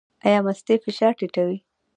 ایا مستې فشار ټیټوي؟